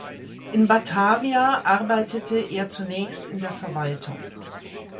In Batavia arbeitete er zunächst in der Verwaltung.